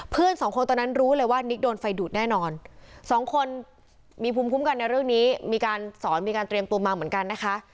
เพื่อนสองคนตอนนั้นรู้เลยว่านิกโดนไฟดูดแน่นอนสองคนมีภูมิคุ้มกันในเรื่องนี้มีการสอนมีการเตรียมตัวมาเหมือนกันนะคะ